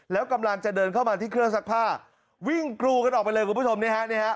แล้วกำลังจะเดินเข้ามาที่เครื่องซักผ้าวิ่งกรูกันออกไปเลยคุณผู้ชมนี่ฮะ